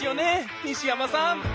西山さん？